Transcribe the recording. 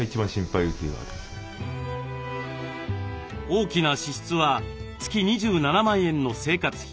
大きな支出は月２７万円の生活費。